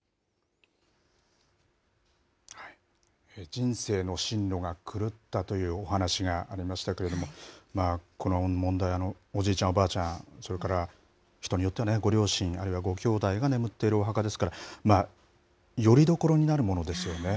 人生の進路が狂ったというお話がありましたけれども、この問題、おじいちゃんおばあちゃん、それから人によってはね、ご両親、あるいはごきょうだいが眠っているお墓ですから、よりどころになるものですよね。